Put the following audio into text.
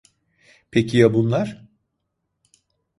Peki ya bunlar?